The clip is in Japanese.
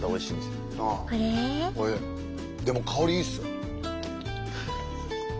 でも香りいいっすよ。